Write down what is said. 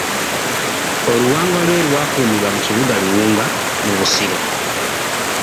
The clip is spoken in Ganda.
Oluwanga lwe lwakuumirwa mu kibuga Luwunga mu Busiro.